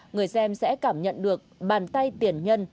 người xem sẽ cảm nhận được bàn tay tiền nhân